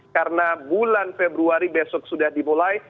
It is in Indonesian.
karena bulan februari besok sudah dimulai